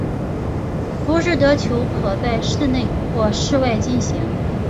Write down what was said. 浮士德球可在室内或室外进行。